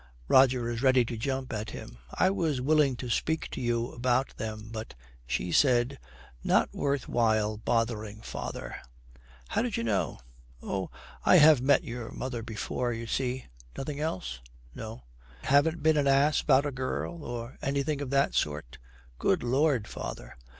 Roger is ready to jump at him. 'I was willing to speak to you about them, but ' 'She said, "Not worth while bothering father."' 'How did you know?' 'Oh, I have met your mother before, you see. Nothing else?' 'No.' 'Haven't been an ass about a girl or anything of that sort?'' 'Good lord, father!'